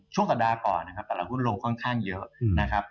ช่วงสัปดาห์ก่อนแหละตลาดหุ้นลงค่อนข้างเยอะ